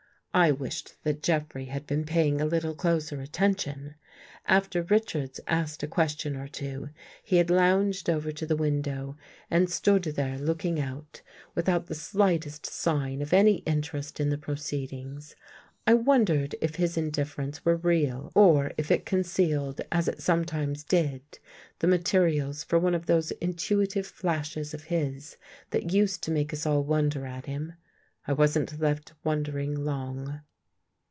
I wished that Jeffrey had been paying a little closer attention. After Richards asked a question or two, he had lounged over to the window and stood there looking out, without the slightest sign of any interest in the proceedings. I wondered if his in difference were real or if it concealed, as it some times did, the materials for one of those intuitive flashes of his that used to make us all wonder at him. I wasn't left wondering long.